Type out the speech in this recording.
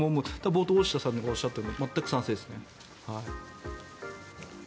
冒頭、大下さんがおっしゃったように全く賛成ですね。